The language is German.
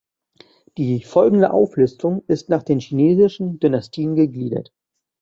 Die folgende Auflistung ist nach den chinesischen Dynastien gegliedert.